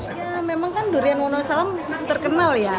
ya memang kan durian wonosalam terkenal ya